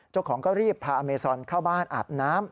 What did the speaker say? เจ้าของก็รีบพาอเมซอนเข้าบ้านอาบน้ำ